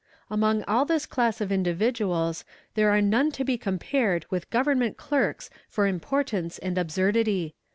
Among all this class of individuals, there are none to be compared with government clerks for importance and absurdity.